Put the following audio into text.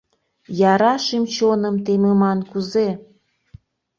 Яра шӱм-чоным темыман кузе?